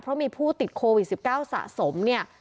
เพราะมีผู้ติดโควิด๑๙สะสม